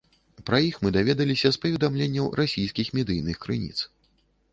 Пра іх мы даведаліся з паведамленняў расійскіх медыйных крыніц.